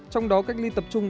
trong đó cách ly tập trung